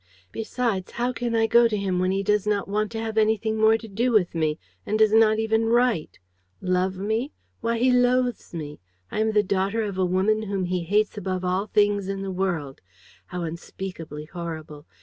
Besides, how can I go to him when he does not want to have anything more to do with me and does not even write? Love me? Why, he loathes me! I am the daughter of a woman whom he hates above all things in the world. How unspeakably horrible!